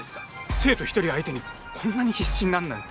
生徒一人相手にこんなに必死になるなんて。